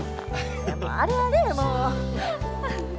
あれあれもう。